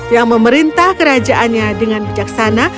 yang memerintah kerajaannya dengan bijaksana